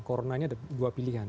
coronanya ada dua pilihan